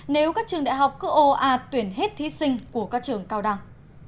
nếu các trường đại học cứ ô à tuyển hết thí sinh của các trường cao đẳng